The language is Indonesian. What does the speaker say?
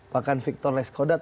bahkan victor leskodat